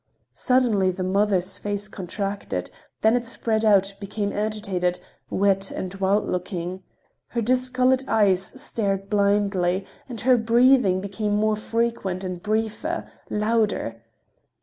Suddenly the mother's face contracted, then it spread out, became agitated, wet and wild looking. Her discolored eyes stared blindly, and her breathing became more frequent, and briefer, louder.